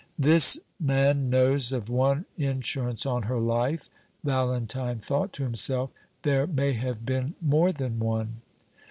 "This man knows of one insurance on her life," Valentine thought to himself; "there may have been more than one."